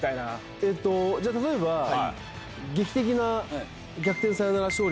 じゃあ例えば劇的な「逆転サヨナラ勝利」。